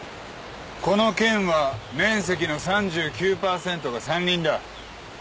この県は面積の３９％が山林だ。